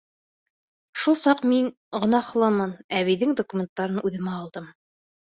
Шул саҡ мин... гонаһлымын... әбейҙең документтарын үҙемә алдым.